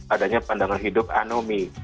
adanya pandangan hidup anomie